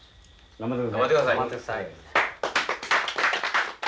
頑張ってください。